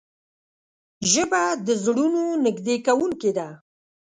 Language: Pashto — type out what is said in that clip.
ژبه د زړونو نږدې کوونکې ده